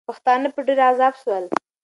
پښتانه په ډېر عذاب سول.